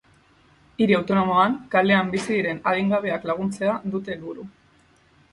Hiri autonomoan kalean bizi diren adingabeak laguntzea dute helburu.